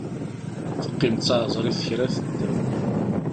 Teqqim d taεeẓrit kra tedder.